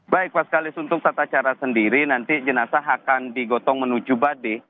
baik pak skalis untuk tata cara sendiri nanti jenazah akan digotong menuju bade